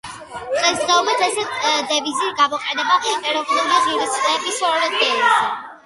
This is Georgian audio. დღესდღეობით ეს დევიზი გამოიყენება ეროვნული ღირსების ორდენზე.